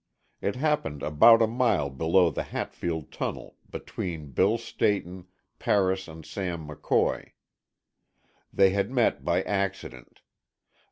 It happened about a mile below the Hatfield tunnel, between Bill Stayton, Paris and Sam McCoy. They had met by accident.